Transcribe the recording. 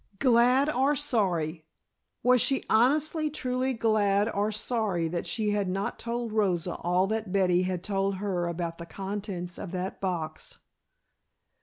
Glad or sorry? Was she honestly, truly glad or sorry that she had not told Rosa all that Betty had told her about the contents of that box?